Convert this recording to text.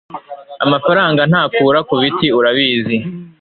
amafaranga ntakura kubiti, urabizi